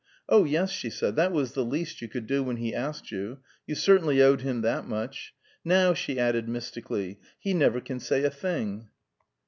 "Oh, yes," she said, "that was the least you could do, when he asked you. You certainly owed him that much. Now," she added mystically, "he never can say a thing."